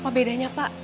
apa bedanya pak